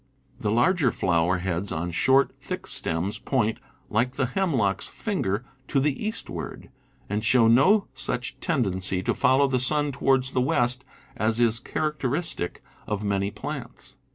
The large flower heads on short, thick stems point, like the hemlock's "finger," to the eastward, and show no such tendency to follow the sun towards the west as is characteristic of many plants.